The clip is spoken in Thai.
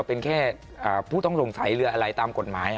เป็นแค่ผู้ต้องสงสัยเรืออะไรตามกฎหมาย